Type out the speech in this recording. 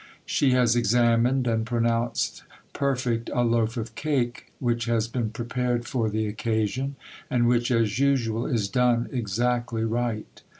She has examined and pronounced perfect a loaf of cake which has been prepared for the occasion, and which, as usual, is done exactly right.